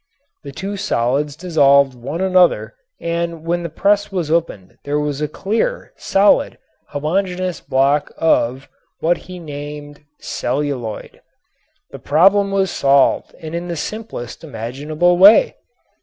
The two solids dissolved one another and when the press was opened there was a clear, solid, homogeneous block of what he named "celluloid." The problem was solved and in the simplest imaginable way.